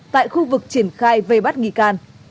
tại khu vực triển khai về bắt nghị can